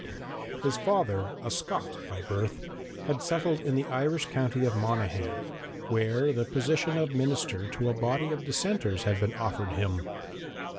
His father, a Scot by birth, had settled in the Irish county of Monaghan, where the position of minister to a body of dissenters had been offered him.